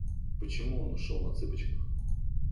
Почему он ушёл на цыпочках?